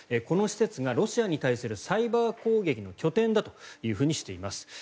この施設がロシアに対するサイバー攻撃の拠点だとしています。